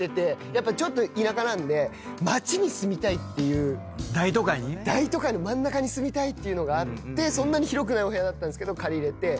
やっぱちょっと田舎なんで街に住みたい大都会の真ん中に住みたいっていうのがあってそんなに広くないお部屋だったんですけど借りれて。